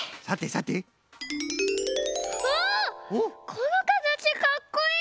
このかたちかっこいい！